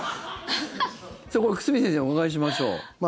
これ、久住先生にお伺いしましょう。